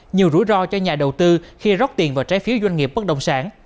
nhiều rủi ro cho nhà đầu tư khi rót tiền vào trái phiếu doanh nghiệp bất động sản